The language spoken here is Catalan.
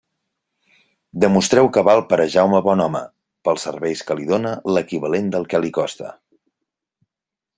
Demostreu que val per a Jaume Bonhome, pels serveis que li dóna, l'equivalent del que li costa.